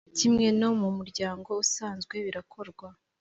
Kimwe no mu muryango usanzwe birakorwa.